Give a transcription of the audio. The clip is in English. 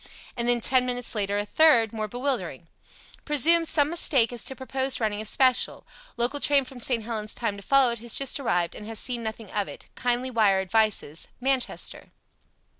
And then ten minutes later a third, more bewildering "Presume some mistake as to proposed running of special. Local train from St. Helens timed to follow it has just arrived and has seen nothing of it. Kindly wire advices. Manchester."